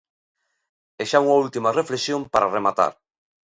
E xa unha última reflexión para rematar.